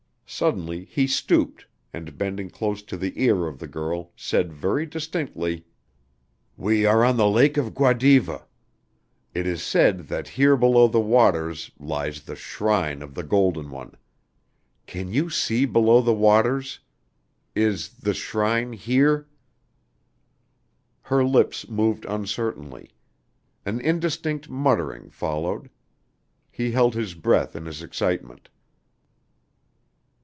Suddenly he stooped and, bending close to the ear of the girl, said very distinctly: "We are on the lake of Guadiva. It is said that here below the waters lies the shrine of the Golden One. You can see below the waters. Is the shrine here?" Her lips moved uncertainly; an indistinct muttering followed. He held his breath in his excitement.